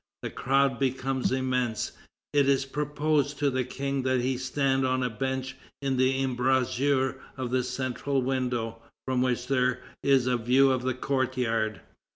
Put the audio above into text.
The crowd becomes immense. It is proposed to the King that he stand on a bench in the embrasure of the central window, from which there is a view of the courtyard.